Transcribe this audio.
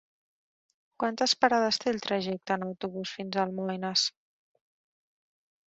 Quantes parades té el trajecte en autobús fins a Almoines?